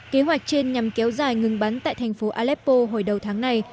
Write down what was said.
kế hoạch trên nhằm kéo dài ngừng bắn tại thành phố aleppo hồi đầu tháng này